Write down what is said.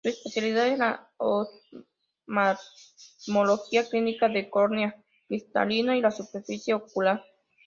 Su especialidad es la oftalmología clínica de córnea, cristalino y la superficie ocular.